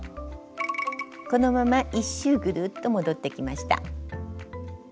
このまま１周ぐるっと戻ってきました。